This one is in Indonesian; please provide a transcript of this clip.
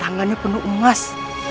tangannya penuh emas